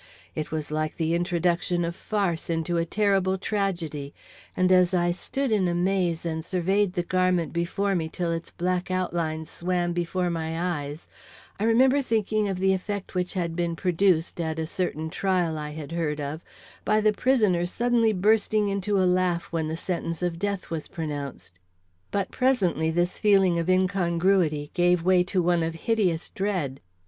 It was like the introduction of farce into a terrible tragedy; and as I stood in a maze and surveyed the garment before me till its black outline swam before my eyes, I remember thinking of the effect which had been produced, at a certain trial I had heard of, by the prisoner suddenly bursting into a laugh when the sentence of death was pronounced. But presently this feeling of incongruity gave way to one of hideous dread.